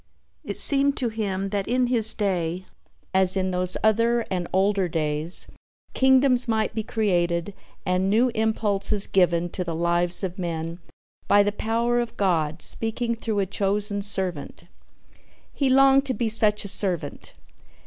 It seemed to him that in his day as in those other and older days, kingdoms might be created and new impulses given to the lives of men by the power of God speaking through a chosen servant. He longed to be such a servant.